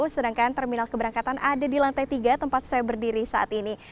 sedangkan terminal keberangkatan ada di lantai tiga tempat saya berdiri saat ini